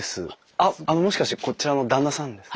あっもしかしてこちらの旦那さんですか？